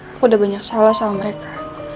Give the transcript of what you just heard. aku udah banyak salah sama mereka